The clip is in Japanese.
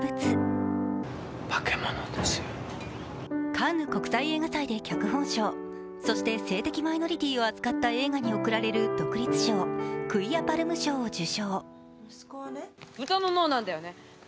カンヌ国際映画祭で脚本賞そして性的マイノリティを扱った映画に贈られる独立賞、クィア・パルム賞を受賞。